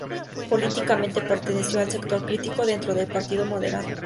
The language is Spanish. Políticamente perteneció al sector crítico dentro del Partido Moderado.